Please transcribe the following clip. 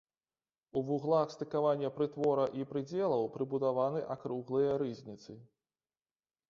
У вуглах стыкавання прытвора і прыдзелаў прыбудаваны акруглыя рызніцы.